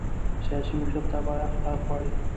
سیاسي مشرتابه اخلاق غواړي